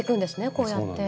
こうやって。